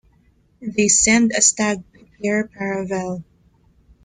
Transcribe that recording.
They send a stag to Cair Paravel.